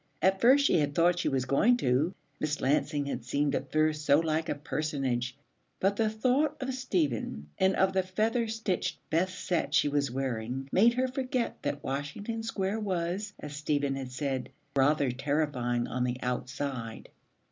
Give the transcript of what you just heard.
At first she had thought she was going to; Miss Lansing had seemed at first so like a personage; but the thought of Stephen, and of the featherstitched best set she was wearing made her forget that Washington Square was, as Stephen had said, rather terrifying on the outside.